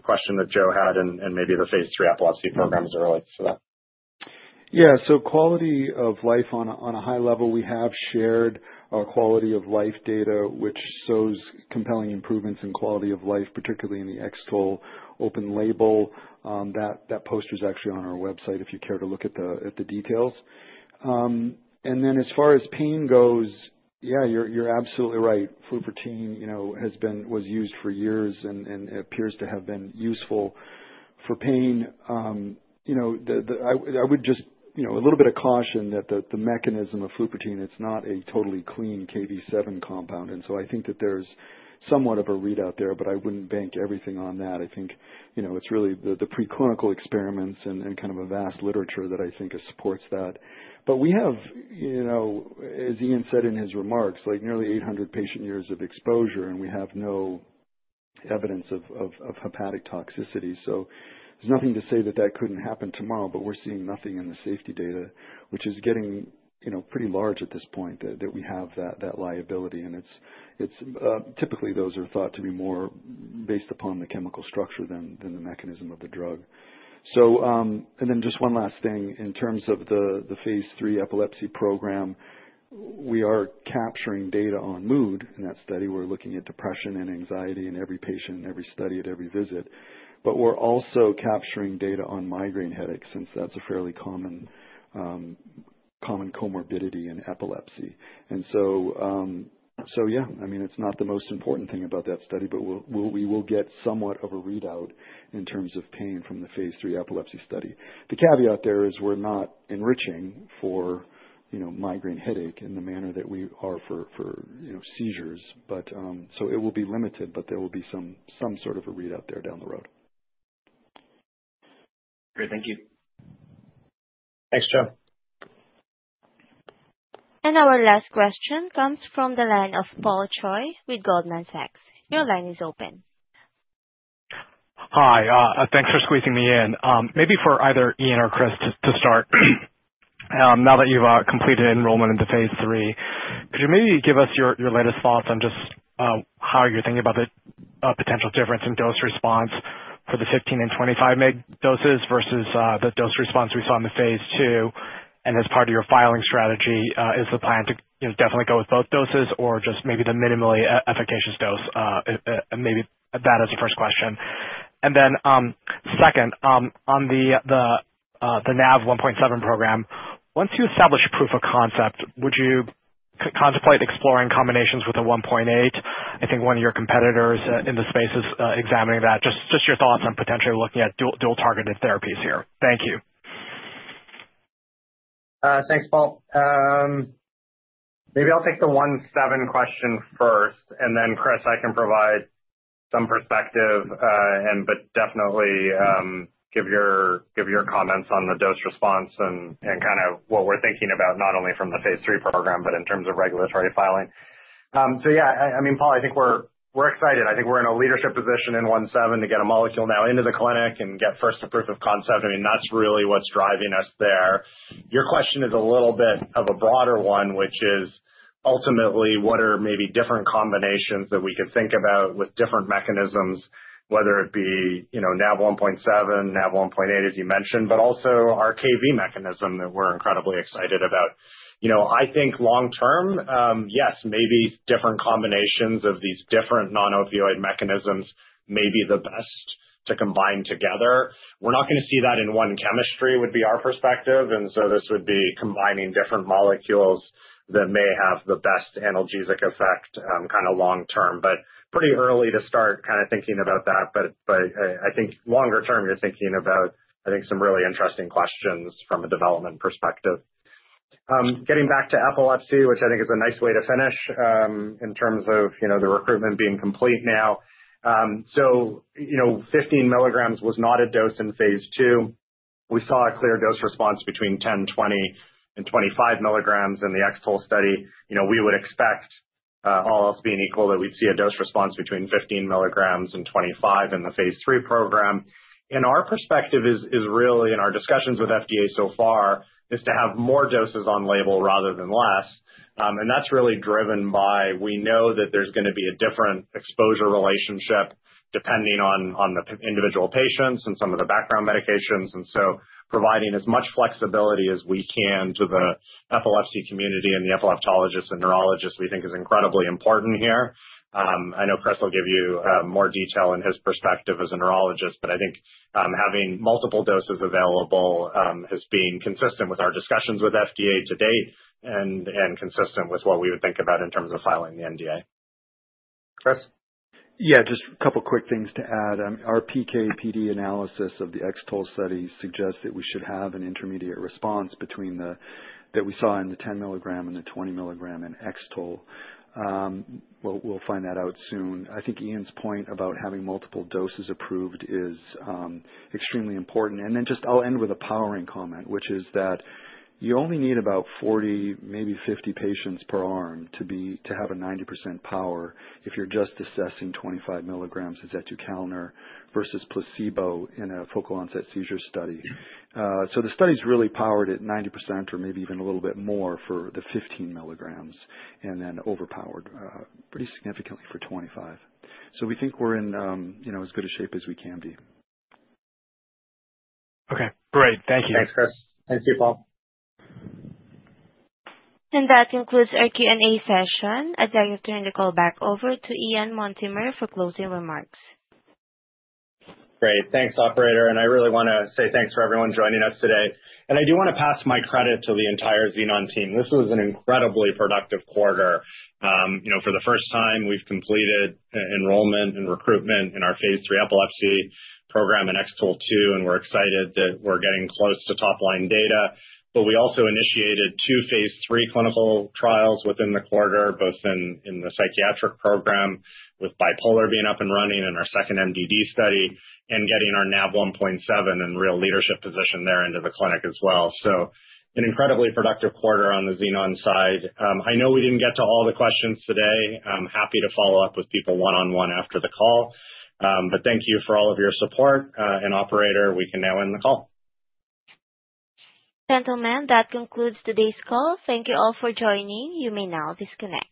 question that Joe had and maybe the phase III epilepsy programs that relate to that. Yeah, so quality of life on a high level, we have shared our quality of life data, which shows compelling improvements in quality of life, particularly in the XTOL2 open-label. That poster is actually on our website if you care to look at the details. As far as pain goes, yeah, you're absolutely right. Flupirtine, you know, was used for years and appears to have been useful for pain. I would just, you know, a little bit of caution that the mechanism of flupirtine, it's not a totally clean KV7 compound. I think that there's somewhat of a readout there, but I wouldn't bank everything on that. I think it's really the preclinical experiments and kind of a vast literature that I think supports that. We have, as Ian said in his remarks, like nearly 800 patient-years of exposure, and we have no evidence of hepatic toxicity. There's nothing to say that that couldn't happen tomorrow, but we're seeing nothing in the safety data, which is getting pretty large at this point, that we have that liability. It's typically, those are thought to be more based upon the chemical structure than the mechanism of the drug. Just one last thing in terms of the phase III epilepsy program, we are capturing data on mood in that study. We're looking at depression and anxiety in every patient and every study at every visit. We're also capturing data on migraine headaches since that's a fairly common comorbidity in epilepsy. It's not the most important thing about that study, but we will get somewhat of a readout in terms of pain from the phase III epilepsy study. The caveat there is we're not enriching for migraine headache in the manner that we are for seizures, so it will be limited, but there will be some sort of a readout there down the road. Great. Thank you. Thanks, Joe. Our last question comes from the line of Paul Choi with Goldman Sachs. Your line is open. Hi, thanks for squeezing me in. Maybe for either Ian or Chris to start. Now that you've completed enrollment into phase III, could you maybe give us your latest thoughts on just how you're thinking about the potential difference in dose response for the 15 mg and 25 mg doses versus the dose response we saw in the phase II? As part of your filing strategy, is the plan to definitely go with both doses or just maybe the minimally efficacious dose? Maybe that as a first question. Second, on the Nav1.7 program, once you establish a proof of concept, would you contemplate exploring combinations with a 1.8? I think one of your competitors in the space is examining that. Just your thoughts on potentially looking at dual targeted therapies here. Thank you. Thanks, Paul. Maybe I'll take the 1.7 question first, and then Chris, I can provide some perspective, but definitely give your comments on the dose response and kind of what we're thinking about, not only from the phase III program, but in terms of regulatory filing. Yeah, I mean, Paul, I think we're excited. I think we're in a leadership position in 1.7 to get a molecule now into the clinic and get first a proof of concept. That's really what's driving us there. Your question is a little bit of a broader one, which is ultimately what are maybe different combinations that we could think about with different mechanisms, whether it be, you know, Nav1.7, Nav1.8, as you mentioned, but also our KV mechanism that we're incredibly excited about. I think long term, yes, maybe different combinations of these different non-opioid mechanisms may be the best to combine together. We're not going to see that in one chemistry, would be our perspective. This would be combining different molecules that may have the best analgesic effect kind of long term, but pretty early to start kind of thinking about that. I think longer term, you're thinking about, I think, some really interesting questions from a development perspective. Getting back to epilepsy, which I think is a nice way to finish in terms of the recruitment being complete now. 15 mg was not a dose in phase II. We saw a clear dose response between 10 mg, 20 mg, and 25 mg in the XTOL2 study. We would expect, all else being equal, that we'd see a dose response between 15 mg and 25 mg in the phase III program. Our perspective is really, in our discussions with FDA so far, to have more doses on label rather than less. That's really driven by we know that there's going to be a different exposure relationship depending on the individual patients and some of the background medications. Providing as much flexibility as we can to the epilepsy community and the epileptologists and neurologists, we think is incredibly important here. I know Chris will give you more detail in his perspective as a neurologist, but I think having multiple doses available has been consistent with our discussions with FDA to date and consistent with what we would think about in terms of filing the NDA. Chris? Yeah, just a couple of quick things to add. Our PK/PD analysis of the XTOL2 study suggests that we should have an intermediate response between that we saw in the 10 milligram and the 20 milligram in XTOL2. We'll find that out soon. I think Ian's point about having multiple doses approved is extremely important. I'll end with a powering comment, which is that you only need about 40, maybe 50 patients per arm to have a 90% power if you're just assessing 25 mg as azetukalner versus placebo in a focal onset seizure study. The study's really powered at 90% or maybe even a little bit more for the 15 mg and then overpowered pretty significantly for 25 mg. We think we're in, you know, as good a shape as we can be. Okay, great. Thank you. Thanks, Chris. Thanks to you, Paul. That concludes our Q&A session. I'd like to turn the call back over to Ian Mortimer for closing remarks. Great. Thanks, operator. I really want to say thanks for everyone joining us today. I do want to pass my credit to the entire Xenon team. This was an incredibly productive quarter. For the first time, we've completed enrollment and recruitment in our phase III epilepsy program and XTOL2, and we're excited that we're getting close to top-line data. We also initiated two phase III clinical trials within the quarter, both in the psychiatric program with bipolar being up and running in our second MDD study and getting our Nav1.7 and real leadership position there into the clinic as well. An incredibly productive quarter on the Xenon side. I know we didn't get to all the questions today. I'm happy to follow up with people one-on-one after the call. Thank you for all of your support. Operator, we can now end the call. Gentlemen, that concludes today's call. Thank you all for joining. You may now disconnect.